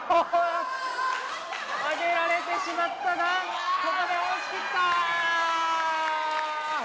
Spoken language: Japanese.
上げられてしまったがここで押し切った！